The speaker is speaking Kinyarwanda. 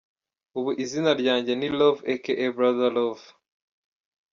Ubu izina ryanjye ni Love aka Brother Love.